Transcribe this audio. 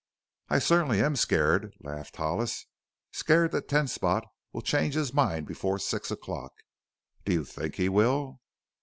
"I certainly am scared," laughed Hollis; "scared that Ten Spot will change his mind before six o'clock. Do you think he will?"